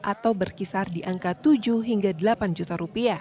atau berkisar di angka rp tujuh hingga delapan juta